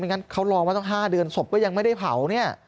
ไม่งั้นเขารอว่าต้อง๕เดือนศพก็ยังไม่ได้เผา